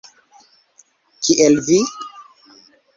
- Kiel vi?